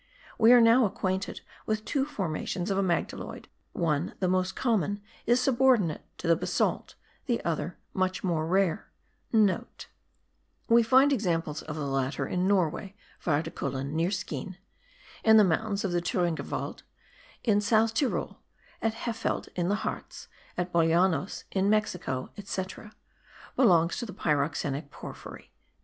We are now acquainted with two formations of amygdaloid; one, the most common, is subordinate to the basalt: the other, much more rare,* (* We find examples of the latter in Norway (Vardekullen, near Skeen), in the mountains of the Thuringerwald; in South Tyrol; at Hefeld in the Hartz, at Bolanos in Mexico etc.) belongs to the pyroxenic porphyry.